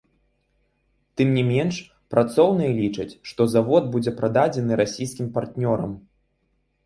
Тым не менш, працоўныя лічаць, што завод будзе прададзены расійскім партнёрам.